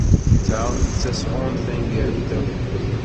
D ta i d tasɣunt taneggarut akk.